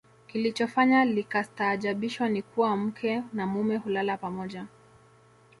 Kilichofanya likastaajabiwa ni kuwa mke na mume hulala pamoja